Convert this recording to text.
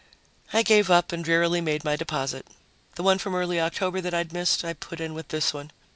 I gave up and drearily made my deposit. The one from early October that I'd missed I put in with this one.